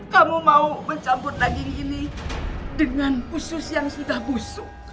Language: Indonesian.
kamu mau mencampur daging ini dengan usus yang sudah busuk